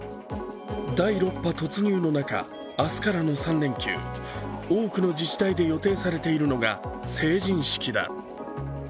第６波突入の中、明日からの３連休多くの自治体で予定されているのが成人式だ。